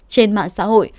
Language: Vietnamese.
trên mạng xã hội